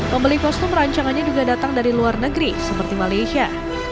pembeli kostum rancangannya juga datang dari luar negeri seperti malaysia